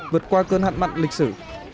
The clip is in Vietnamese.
vượt qua cơn hạn mặt lịch sử